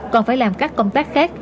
còn phải làm các công tác khác